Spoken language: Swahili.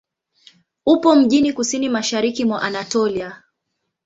Upo mjini kusini-mashariki mwa Anatolia.